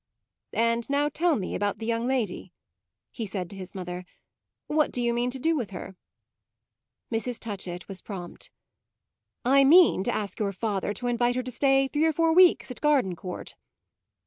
"And now tell me about the young lady," he said to his mother. "What do you mean to do with her?" Mrs. Touchett was prompt. "I mean to ask your father to invite her to stay three or four weeks at Gardencourt."